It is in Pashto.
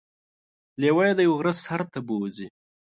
لیوه يې د یوه غره سر ته بوځي.